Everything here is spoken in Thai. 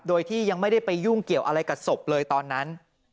โดยที่ยังไม่ได้ไปยุ่งเกี่ยวอะไรกับศพเลยตอนนั้น